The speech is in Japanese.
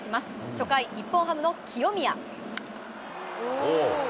初回、日本ハムの清宮。